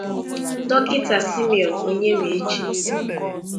Dọkịta Simeon Onyemaechi